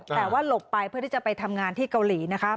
แต่ว่าหลบไปเพื่อที่จะไปทำงานที่เกาหลีนะคะ